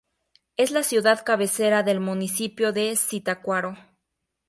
Es la ciudad cabecera del Municipio de Zitácuaro.